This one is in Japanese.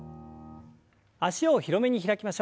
脚を広めに開きましょう。